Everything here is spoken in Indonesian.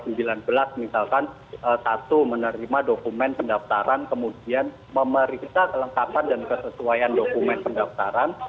misalkan satu menerima dokumen pendaftaran kemudian memeriksa kelengkapan dan kesesuaian dokumen pendaftaran